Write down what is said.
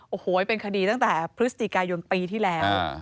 โอ้โหเป็นคดีตั้งแต่พฤศจิกายนปีที่แล้ว